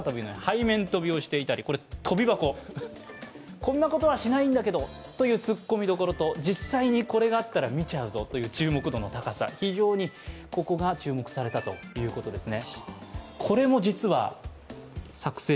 こんなことはしないんだけどというツッコミどころと実際にこれがあったら見ちゃうぞという注目度の高さ非常にここが注目されたということですね。